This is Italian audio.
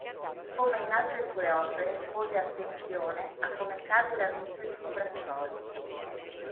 Come in altre sue opere pose attenzione a come cade la luce sui braccioli.